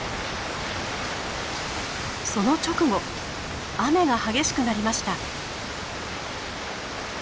その直後雨が激しくなりました。